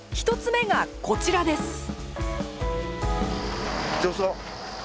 １つ目がこちらです。